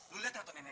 lu liat gak tuh nenek